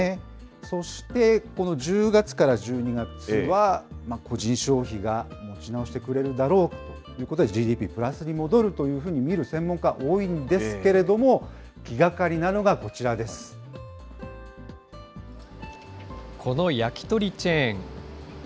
そしてこの１０月から１２月は、個人消費が持ち直してくれるだろうということで、ＧＤＰ、プラスに戻るだろうと見る専門家、多いんですけれども、気がかりなこの焼き鳥チェーン。